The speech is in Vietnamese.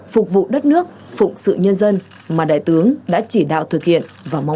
phục vụ đất nước phụng sự nhân dân mà đại tướng đã chỉ đạo thực hiện và mong muốn